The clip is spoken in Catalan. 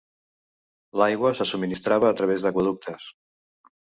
L'aigua se subministrava a través d'aqüeductes.